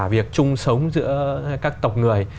việc chung sống giữa các tộc người